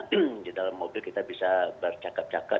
karena di dalam mobil kita bisa bercakap dengan orang lain